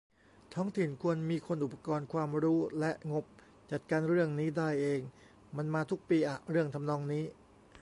ท้องถิ่นควรมีคน อุปกรณ์ ความรู้ และงบ จัดการเรื่องนี้ได้เอง มันมาทุกปีอะ เรื่องทำนองนี้